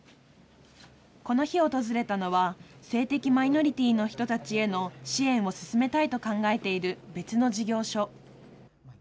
この日、訪れたのは、性的マイノリティーの人たちへの支援を進めたいと考えている別の事業所。